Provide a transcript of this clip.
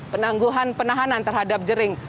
penangguhan penahanan terhadap jering